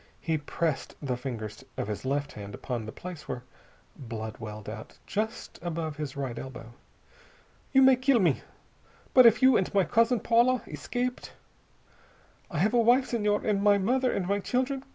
He pressed the fingers of his left hand upon the place where blood welled out, just above his right elbow. "You may kill me. But if you and my cousin Paula escaped.... I have a wife, Senhor, and my mother, and my children.